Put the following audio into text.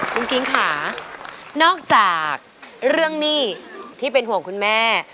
คุณกิ๊งค่ะนอกจากเรื่องหนี้ที่เป็นห่วงคุณแม่